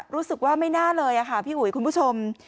รู้สึกว่าไม่น่าเลยค่ะพี่อุ๋ยคุณผู้ชม